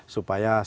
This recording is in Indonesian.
supaya sadar betul